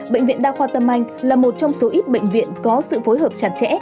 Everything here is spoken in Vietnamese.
bệnh viện đa khoa tâm anh là một trong số ít bệnh viện có sự phối hợp chặt chẽ